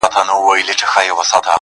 • له څه مودې ترخ يم خـــوابــــدې هغه.